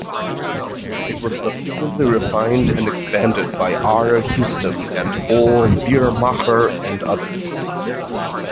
It was subsequently refined and expanded by R. Houston and O. Biermacher and others.